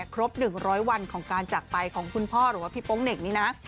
ครบ๑๐๐วันของการจากไปของคุณพ่อหรือว่าพี่โป๊งเหน่งนี้นะ